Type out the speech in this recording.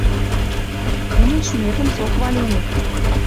Тӹньӹн шӱметӹм со хваленӹт